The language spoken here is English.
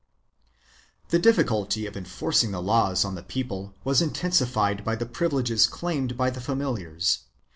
1 The difficulty of enforcing the laws on the people was intensi fied by the privileges claimed by the familiars.